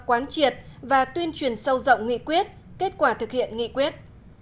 quán triệt và tuyên truyền sâu rộng nghị quyết kết quả thực hiện nghị quyết